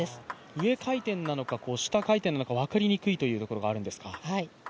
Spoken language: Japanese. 上回転なのかした回転なのか分かりにくいというところがあるんですか。